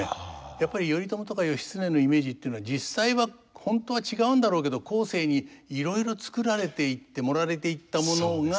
やっぱり頼朝とか義経のイメージっていうのは実際は本当は違うんだろうけど後世にいろいろ作られていって盛られていったものが。